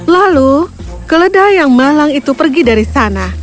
lalu keledai yang malang itu pergi dari sana